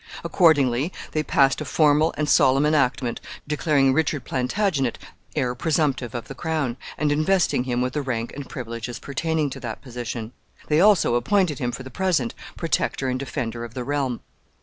Accordingly, they passed a formal and solemn enactment declaring Richard Plantagenet heir presumptive of the crown, and investing him with the rank and privileges pertaining to that position. They also appointed him, for the present, Protector and defender of the realm.